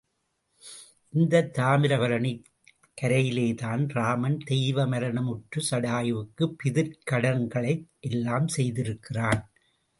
இந்தத் தாமிரபரணிக் கரையிலேதான் ராமன் தெய்வ மரணம் உற்ற சடாயுவுக்கு பிதுர்க்கடன்களை எல்லாம் செய்திருக்கிறான்.